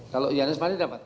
kalau johannes marlim dapat